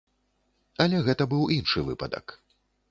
Але гэта быў іншы выпадак.